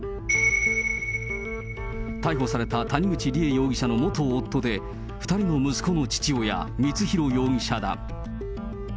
逮捕された谷口梨恵容疑者の元夫で、２人の息子の父親、光弘容疑者だ。